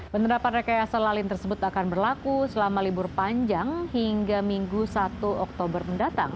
penerapan rekayasa lalin tersebut akan berlaku selama libur panjang hingga minggu satu oktober mendatang